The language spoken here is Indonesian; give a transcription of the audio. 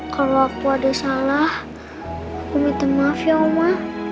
kalau aku ada salah aku minta maaf ya oma